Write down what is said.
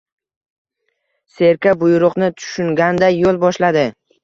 Serka buyruqni tushunganday yo‘l boshladi